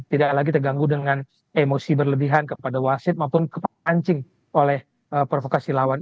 tidak lagi terganggu dengan emosi berlebihan kepada wasit maupun kepada anjing oleh provokasi lawan